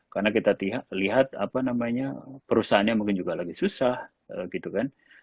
karena kita lihat apa namanya perusahaannya mungkin juga lagi susah gitu kan